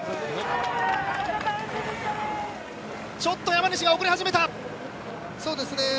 ちょっと山西が遅れ始めた！